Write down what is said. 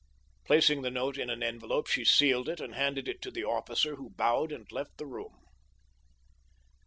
Placing the note in an envelope she sealed it and handed it to the officer, who bowed and left the room.